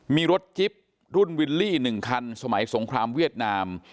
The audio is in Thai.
มีรถจิ๊บรุ่นวิลลี่๑คันสมัยสงครามเวียดนาม